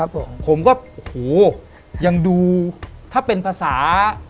ผมผมก็โหยังดูถ้าเป็นภาษา